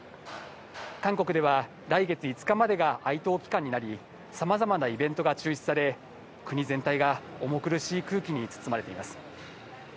韓国では来月５日までが哀悼期間になり、さまざまなイベントが中止され、国全体が重苦しい空気に包まれています。